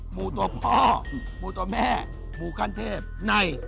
หมูตัวพ่อมูตัวแม่มูขั้นเทพใน